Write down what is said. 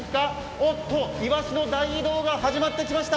おっと、イワシの大移動が始まってきました